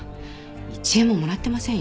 １円ももらってませんよ。